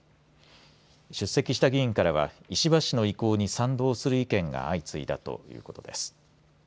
出席した議員からは、石破氏の意向に賛同する意見が相次いだということです。